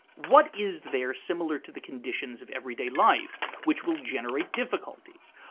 What is there similar to the conditions of everyday life which will generate difficulties?